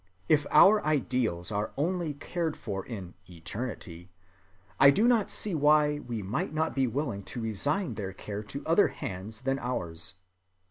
If our ideals are only cared for in "eternity," I do not see why we might not be willing to resign their care to other hands than ours.